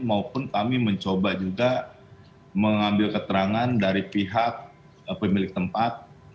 maupun kami mencoba juga mengambil keterangan dari pihak pemilik tempat